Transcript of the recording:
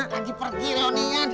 lagi pergi leonian